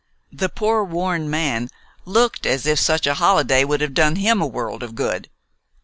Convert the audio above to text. The poor worn man looked as if such a holiday would have done him a world of good.